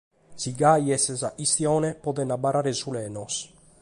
Si gasi est sa chistione, podent abarrare sulenos.